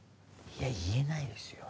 いや言えないですよ。